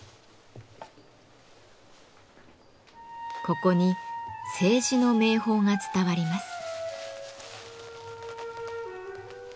ここに青磁の名宝が伝わります。